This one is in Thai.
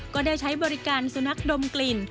ก็ได้ใช้บริการสุนัขดมกลิ่น